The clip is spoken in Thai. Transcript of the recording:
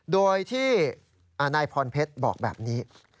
โดยที่นายพรเพชรบอกแบบนี้